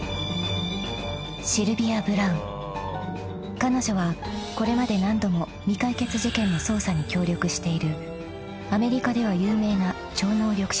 ［彼女はこれまで何度も未解決事件の捜査に協力しているアメリカでは有名な超能力者だ］